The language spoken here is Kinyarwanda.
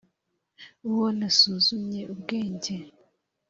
Uwo nasuzumye ubwenge